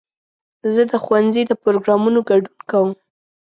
زه د ښوونځي د پروګرامونو ګډون کوم.